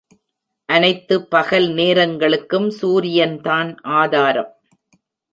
அனைத்து பகல் நேரங்களுக்கும் சூரியன் தான் ஆதாரம்.